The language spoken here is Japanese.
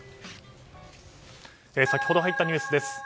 先ほど入ったニュースです。